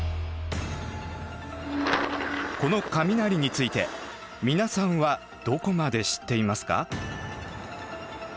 この雷について皆さんはどこまで知っていますか？